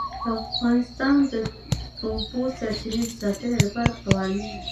افغانستان د د اوبو سرچینې د ساتنې لپاره قوانین لري.